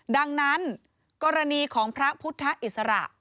ดังนั้นกรณีของพระพุทธอิสระ